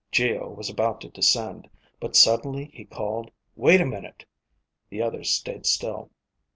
Geo was about to descend, but suddenly he called, "Wait a minute." The others stayed still.